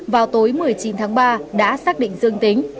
vào tối một mươi chín tháng ba đã xác định dương tính